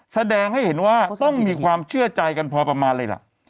แสดงให้เห็นว่าต้องมีความเชื่อใจกันพอประมาณเลยล่ะ